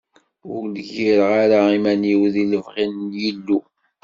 Ur d-gireɣ ara iman-iw di lebɣi n yilu.